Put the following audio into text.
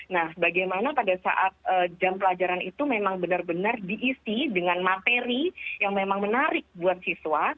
nah bagaimana pada saat jam pelajaran itu memang benar benar diisi dengan materi yang memang menarik buat siswa